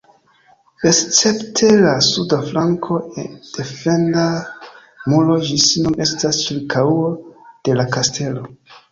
Escepte de suda flanko, defenda muro ĝis nun estas ĉirkaŭo de la kastelo.